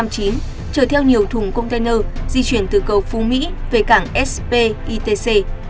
chở theo nhiều thùng container di chuyển từ cầu phú mỹ về cảng spitc